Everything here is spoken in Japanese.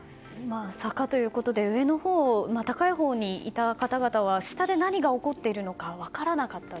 坂ということで上のほう高いほうにいた方々は下で何が起こっているのか分からなかった。